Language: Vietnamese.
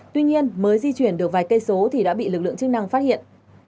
tuy nhiên mới di chuyển được vài cây số thì đã bị lực lượng chức năng phát hiện